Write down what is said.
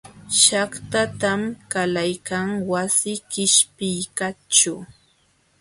Shaqtatam qalaykan wasi qishpiykaqćhu.